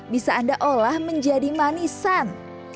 bisa anda olah menjadi manisan